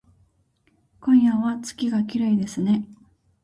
今夜は月がきれいですね